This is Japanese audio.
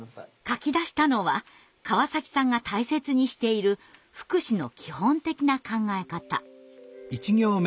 書き出したのは川崎さんが大切にしている「福祉」の基本的な考え方。